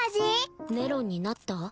メロンになった？